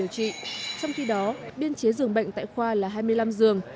trong khi đó biên chế dường bệnh tại khoa là hai mươi năm giường